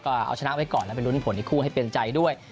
ก็เอาชนะไว้ก่อนแล้วไปลุ้นผลอีกคู่ให้เป็นใจด้วย